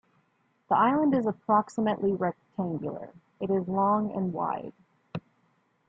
The island is approximately rectangular; it is long and wide.